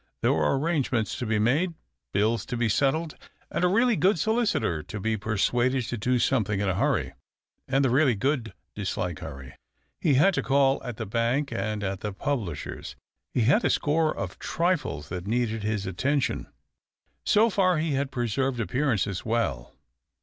There were arranojements to be made, bills to be settled, and a really good solicitor to be persuaded to do something in a hurry — and the really good dislike hurry. He had to call at the bank and at the publishers, he had a score of trifles that needed his attention. So far he had preserved appearances well.